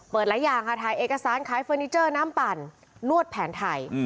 หลายอย่างค่ะถ่ายเอกสารขายเฟอร์นิเจอร์น้ำปั่นนวดแผนไทย